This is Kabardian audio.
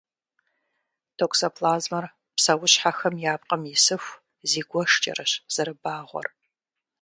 Токсоплазмэр псэущхьэхэм я пкъым исыху зигуэшкӏэрэщ зэрыбагъуэр.